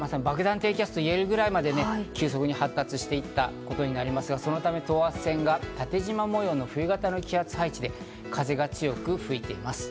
低気圧と言えるくらいまで急速に発達していたことになりますが、そのため、等圧線が縦縞模様の冬型の気圧配置、風が強く吹いています。